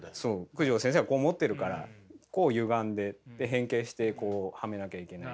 九条先生がこう持ってるからこうゆがんで変形してこうはめなきゃいけないし。